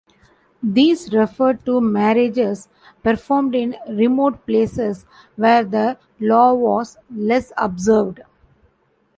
These referred to marriages performed in remote places, where the law was less observed.